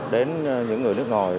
đến những người nước ngoài